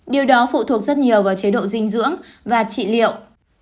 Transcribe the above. điều đó phụ thuộc rất nhiều vào chế độ dinh dưỡng và trị liệu